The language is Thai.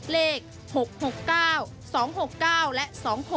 เลข๖๖๙๒๖๙และ๒๖